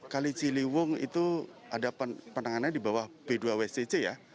kali ciliwung itu ada penanganannya di bawah b dua wcc ya